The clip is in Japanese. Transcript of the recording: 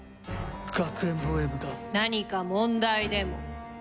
何か問題でも？